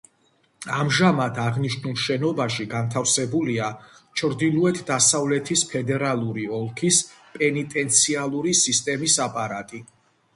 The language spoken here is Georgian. ამჟამად აღნიშნულ შენობაში განთავსებულია ჩრდილოეთ-დასავლეთის ფედერალური ოლქის პენიტენციალური სისტემის აპარატი.